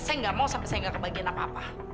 saya nggak mau sampai saya gak kebagian apa apa